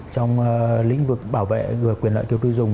trong lĩnh vực bảo vệ quyền lợi tiêu dùng